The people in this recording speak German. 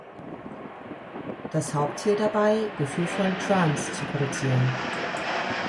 Das Hauptziel dabei: Gefühlvollen Trance zu produzieren.